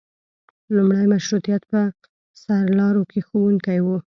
لومړي مشروطیت په سرلارو کې ښوونکي وو.